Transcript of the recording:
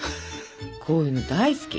こういうの大好き！